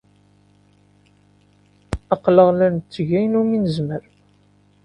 Aql-aɣ la netteg ayen umi nezmer.